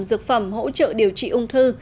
dược phẩm hỗ trợ điều trị ung thư